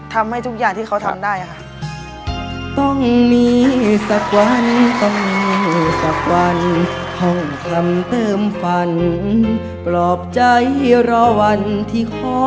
ทำให้ทุกอย่างที่เขาทำได้ค่ะ